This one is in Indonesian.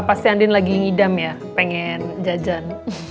pasti andin lagi ngidam ya pengen jajan